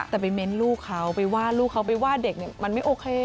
แต่ไปเม้นลูกเขาไปว่าลูกเขาไปว่าเด็กเนี่ยมันไม่โอเค